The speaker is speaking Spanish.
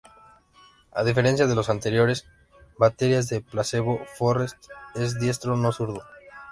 A diferencia de los anteriores baterías de Placebo, Forrest es diestro, no zurdo.